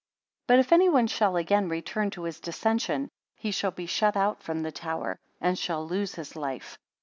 63 But if any one shall again return to his dissension; he shall be shut out from the tower, and shall lose his life.